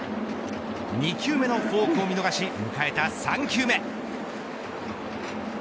２球目のフォークを見逃し迎えた３球目。